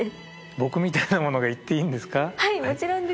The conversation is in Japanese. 僕みたいな者が行っていいんですか？